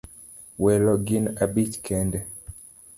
Welo gin abich kende